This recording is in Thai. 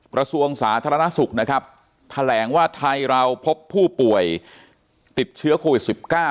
กระทรวงสาธารณสุขนะครับแถลงว่าไทยเราพบผู้ป่วยติดเชื้อโควิด๑๙